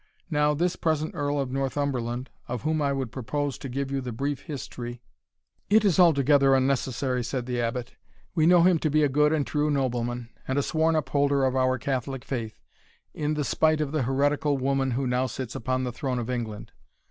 Now, this present Earl of Northumberland, of whom I propose to give you the brief history " "It is altogether unnecessary," said the Abbot; "we know him to be a good and true nobleman, and a sworn upholder of our Catholic faith, in the spite of the heretical woman who now sits upon the throne of England.